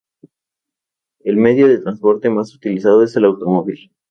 El medio de transporte más utilizado es el automóvil.